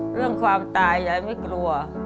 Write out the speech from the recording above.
เรื่องความตายยายไม่กลัว